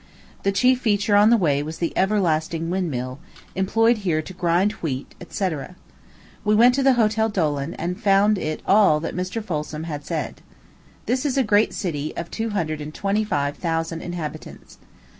The chief feature on the way was the everlasting wind mill, employed here to grind wheat, &c. We went to the Hotel Doelen, and found it all that Mr. Folsom had said. This is a great city, of two hundred and twenty five thousand inhabitants.